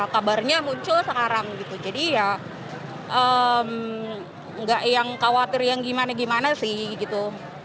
kabarnya muncul sekarang gitu jadi ya nggak yang khawatir yang gimana gimana sih gitu